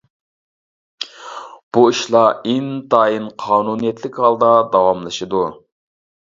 بۇ ئىشلار ئىنتايىن قانۇنىيەتلىك ھالدا داۋاملىشىدۇ.